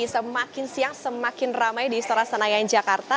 semakin siang semakin ramai di istora senayan jakarta